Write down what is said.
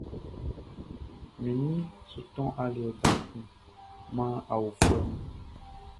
Manmi su tɔn aliɛ dan kun man awlobofuɛ mun.